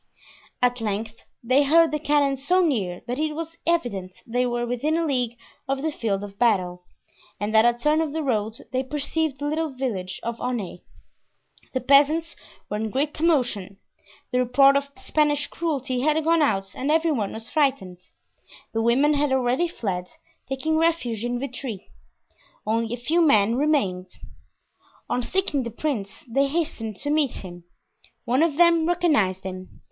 At length they heard the cannon so near that it was evident they were within a league of the field of battle, and at a turn of the road they perceived the little village of Aunay. The peasants were in great commotion. The report of Spanish cruelty had gone out and every one was frightened. The women had already fled, taking refuge in Vitry; only a few men remained. On seeing the prince they hastened to meet him. One of them recognized him.